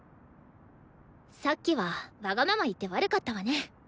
さっきはわがまま言って悪かったわね。